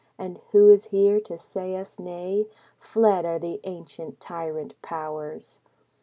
And who is here to say us nay? Fled are the ancient tyrant powers.